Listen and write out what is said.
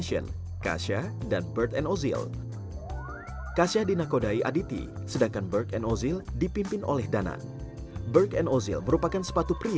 saya cari artinya juga kebetulan dulu nama ozil muncul